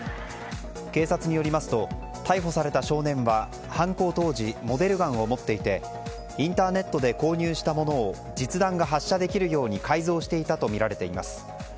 警察によりますと逮捕された少年は犯行当時モデルガンを持っていてインターネットで購入したものを実弾が発射できるように改造していたとみられています。